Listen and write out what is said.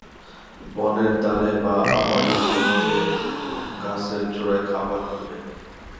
বনের ধারে বা আবাদি জমিতে ও গাছের চূড়ায় খাবার খোঁজে।